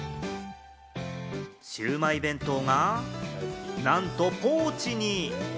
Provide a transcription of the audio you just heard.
シウマイ弁当がなんとポーチに！